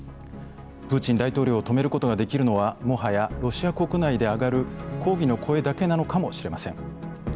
プーチン大統領を止めることができるのはもはやロシア国内で上がる抗議の声だけなのかもしれません。